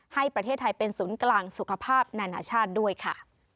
ให้ประเทศไทยเป็นศูนย์กลางสุขภาพนานาชาติด้วยค่ะ